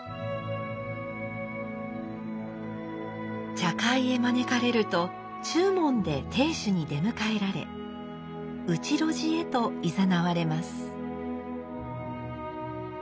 茶会へ招かれると中門で亭主に出迎えられ内露地へといざなわれます。